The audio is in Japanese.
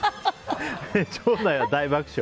場内は大爆笑。